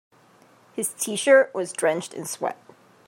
His t-shirt was drenched in sweat.